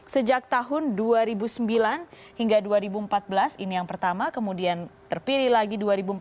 sejak tahun dua ribu sembilan hingga dua ribu empat belas ini yang pertama kemudian terpilih lagi dua ribu empat belas